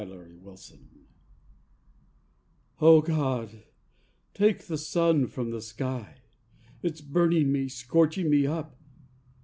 On the Wire O God, take the sun from the sky! It's burning me, scorching me up.